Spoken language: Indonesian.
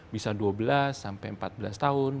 bisa dua belas sampai empat belas tahun